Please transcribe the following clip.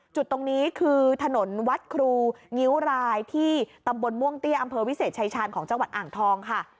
จุดตรงนี้คือถนนวัดครูงิ้วรายที่ตำบลม่วงเตี้ยอำเภอวิเศษชายชาญของจังหวัดอ่างทองค่ะ